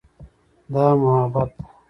دا محبت ده.